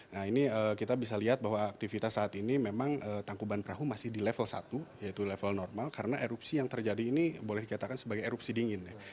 nah ini kita bisa lihat bahwa aktivitas saat ini memang tangkuban perahu masih di level satu yaitu level normal karena erupsi yang terjadi ini boleh dikatakan sebagai erupsi dingin ya